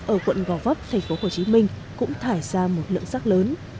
ở quận gò vấp tp hcm cũng thải ra một lượng rác lớn